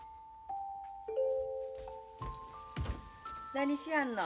何しやんの？